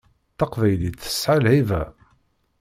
Taqbaylit tesɛa lhiba.